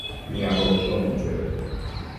¿Midambo ushëc icnuc chue?